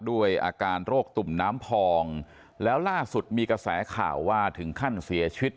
ด้วยอาการโรคตุ่มน้ำพองแล้วล่าสุดมีกระแสข่าวว่าถึงขั้นเสียชีวิต